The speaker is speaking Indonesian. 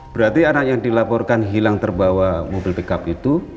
berarti anak yang dilaporkan hilang terbawa mobil pickup itu